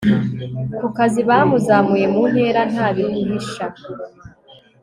ku kazi bamuzamuye mu ntera ntabiguhisha